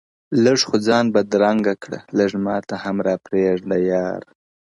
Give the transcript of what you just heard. لږ خو ځان بدرنگه كړه لږ ماته هـم راپــرېــږده يـار ـ